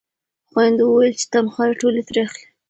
خویندو ویل چې تنخوا ټولې ترې اخلئ.